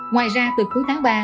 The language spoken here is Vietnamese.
ngoài ra từ cuối tháng ba